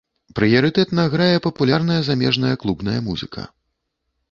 Прыярытэтна грае папулярная замежная клубная музыка.